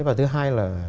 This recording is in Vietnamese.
và thứ hai là